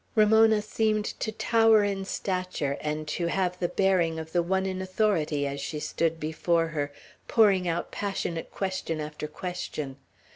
Ramona seemed to tower in stature, and to have the bearing of the one in authority, as she stood before her pouring out passionate question after question.